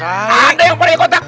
ada yang kepala kotak